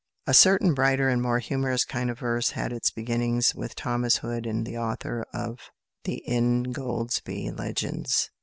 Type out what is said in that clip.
A certain brighter and more humorous kind of verse had its beginnings with Thomas Hood and the author of "The Ingoldsby Legends."